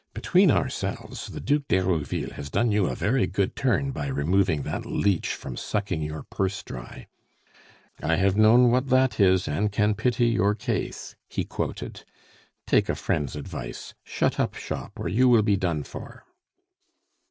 Between ourselves, the Duc d'Herouville has done you a very good turn by removing that leech from sucking your purse dry. 'I have known what that is, and can pity your case,'" he quoted. "Take a friend's advice: Shut up shop, or you will be done for."